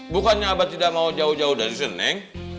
bukannya abah tidak mau jauh jauh dari seneng